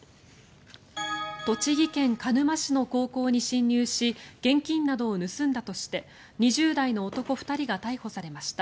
栃木県鹿沼市の高校に侵入し現金などを盗んだとして２０代の男２人が逮捕されました。